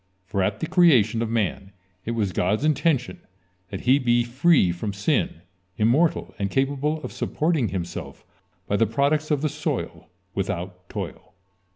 For at the creation of man it was God's intention that he be free from sin, immortal, and capable of supporting himself by the products of the soil without toil.